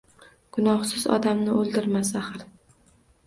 Gunohsiz odamni o‘ldirmas axir.